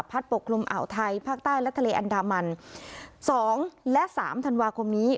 ปกคลุมอ่าวไทยภาคใต้และทะเลอันดามันสองและสามธันวาคมนี้